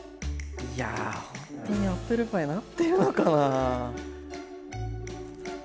いやほんとにアップルパイになってるのかな？